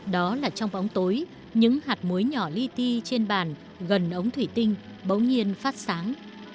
đó là trong ống tối những hạt muối nhỏ ly ti trên bàn gần ống thủy tinh bỗng nhiên phát sáng